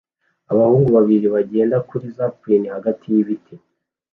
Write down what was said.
Abahungu babiri bagenda kuri zipline hagati y'ibiti